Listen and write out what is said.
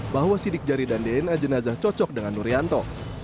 bahwa sidik jari dan dna jenazah cocok dengan nurianto